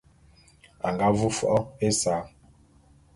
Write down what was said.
A nga vu fo’o ésa.